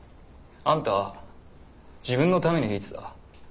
あんたは自分のために弾いてた。